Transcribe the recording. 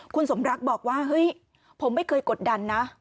คุณสมรักบอกว่าเฮ้ยผมไม่เคยกดดันนะ